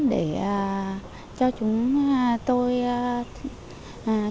để cho chúng tôi kết hợp